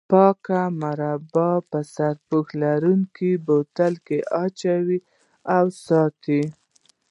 په پای کې مربا په سرپوښ لرونکي بوتل کې واچوئ او وساتئ.